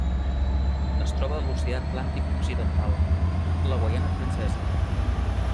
Es troba a l'Oceà Atlàntic occidental: la Guaiana Francesa.